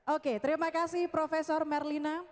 oke terima kasih prof merlina